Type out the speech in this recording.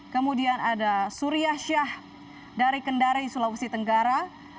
kemudian ada surya syah dari kendari sulawesi tenggara